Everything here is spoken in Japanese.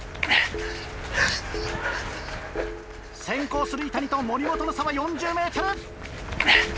先行する井谷と森本の差は４０ｍ。